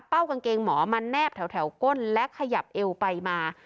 กางเกงหมอมาแนบแถวก้นและขยับเอวไปมา